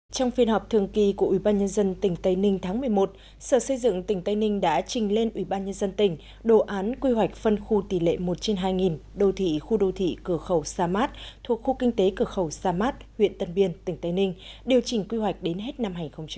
trong phiên họp thường kỳ của ubnd tỉnh tây ninh tháng một mươi một sở xây dựng tỉnh tây ninh đã trình lên ủy ban nhân dân tỉnh đồ án quy hoạch phân khu tỷ lệ một trên hai đô thị khu đô thị cửa khẩu sa mát thuộc khu kinh tế cửa khẩu sa mát huyện tân biên tỉnh tây ninh điều chỉnh quy hoạch đến hết năm hai nghìn hai mươi